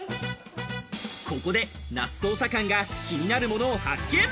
ここで那須捜査官が気になるものを発見。